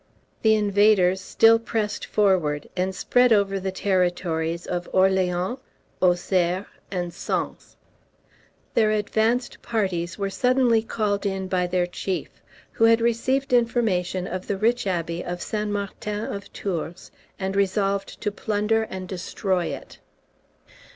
The invaders still pressed forward, and spread over the territories of Orleans, Auxerre and Sens. Their advanced parties were suddenly called in by their chief, who had received information of the rich abbey of St. Martin of Tours, and resolved to plunder and destroy it.